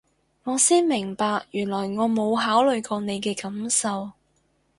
我先明白原來我冇考慮過你嘅感受